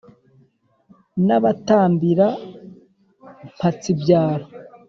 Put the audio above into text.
nabatambira mpatsibyaro.